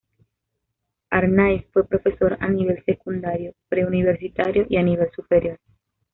Arnáiz fue profesor a nivel secundario, preuniversitario y a nivel superior.